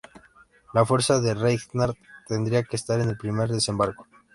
La fuerza de Reinhardt tendría que estar en el primer desembarco.